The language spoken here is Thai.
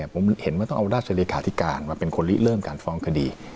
ผมเห็นว่าต้องเอาราชเลขาธิการมาเป็นคนลิเริ่มการฟ้องคดี